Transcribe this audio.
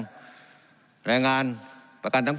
การปรับปรุงทางพื้นฐานสนามบิน